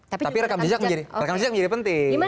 tapi rekam jejak menjadi penting